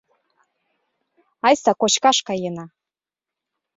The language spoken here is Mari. Айста кочкаш каена.